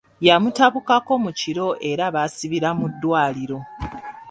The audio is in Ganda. Yamutabukako mu kiro era baasibira mu ddwaliro.